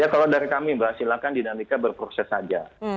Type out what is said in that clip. ya kalau dari kami mbak silakan dinamika berproses saja